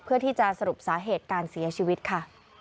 เพื่อที่จะสรุปสาเหตุการเสียชีวิตค่ะ